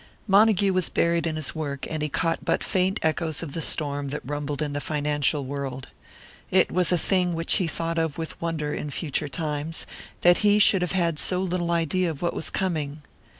Montague was buried in his work, and he caught but faint echoes of the storm that rumbled in the financial world. It was a thing which he thought of with wonder in future times that he should have had so little idea of what was coming.